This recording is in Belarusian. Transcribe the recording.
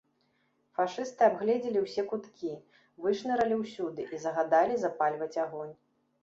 Фашысты абгледзелі ўсе куткі, вышнырылі ўсюды і загадалі запальваць агонь.